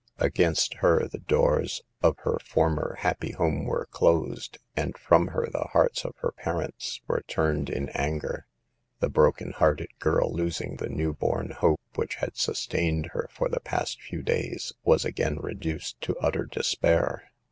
Against her the doors of her 22 SAVE THE GIBLg. former happy home were closed, and from her the hearts of her parents were turned in anger. The broken hearted girl, losing the new born hope which had sustained her for the past few days, was again reduced to utter despair.